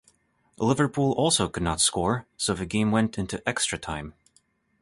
Liverpool also could not score so the game went into extra-time.